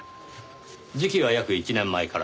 時期は約１年前から。